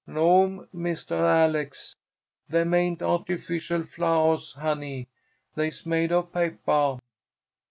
"No'm, Mistah Alex. Them ain't artificial flowahs, honey. They's made of papah."